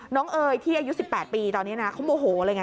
น้องเอ๋ยที่อายุสิบแปดปีตอนนี้นะเขาโมโหเลยไง